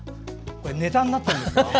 ネタになってるんですか。